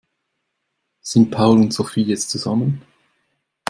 Sind Paul und Sophie jetzt zusammen?